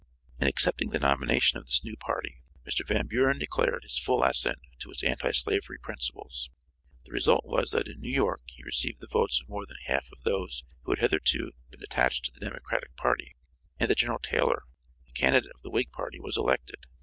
In accepting the nomination of this new party Mr. Van Buren declared his full assent to its anti slavery principles. The result was that in New York he received the votes of more than half of those who had hitherto been attached to the Democratic party, and that General Taylor the candidate of the Whig party was elected.